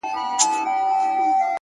کلونه کيږي چي يې زه د راتلو لارې څارم-